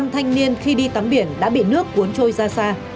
năm thanh niên khi đi tắm biển đã bị nước cuốn trôi ra xa